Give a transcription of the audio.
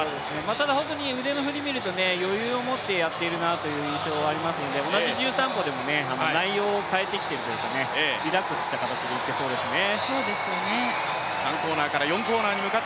ただ、本当に腕の振りを見ると余裕を持ってやっているなと思いますので同じ１３歩でも内容を変えてきているというかリラックスした形できていますね。